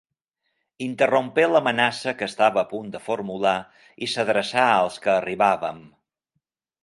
Interrompé l'amenaça que estava a punt de formular i s'adreçà als que arribàvem.